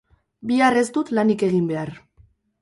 Bihar ez dut lanik egin behar